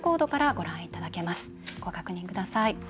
ご確認ください。